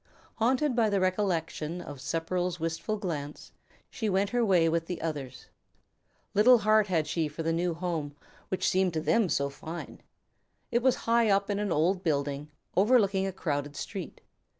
Haunted by the recollection of Sepperl's wistful glance, she went her way with the others. Little heart had she for the new home which seemed to them so fine. It was high up in an old building, overlooking a crowded street.